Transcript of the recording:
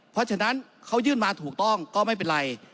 เพราะฉะนั้นเขายื่นมาถูกต้องก็ไม่เป็นไร